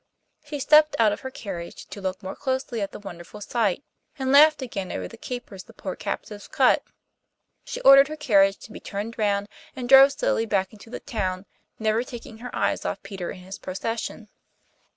She stepped out of her carriage to look more closely at the wonderful sight, and laughed again over the capers the poor captives cut. She ordered her carriage to be turned round and drove slowly back into the town, never taking her eyes off Peter and his procession.